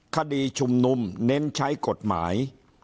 คดีชุมนุมเน้นใช้กฎหมาย